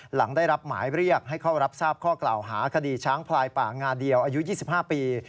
หลังได้รับหมายเรียกให้เข้ารับทราบข้อกล่าวหาคดีช้างพลายป่างาเดียวอายุ๒๕ปี